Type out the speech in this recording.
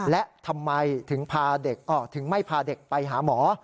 และทำไมถึงไม่พาเด็กไปหาหมอ